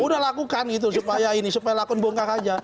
udah lakukan gitu supaya ini supaya lakon bongkar aja